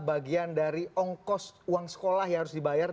bagian dari ongkos uang sekolah yang harus dibayar